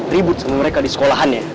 ribut sama mereka di sekolahannya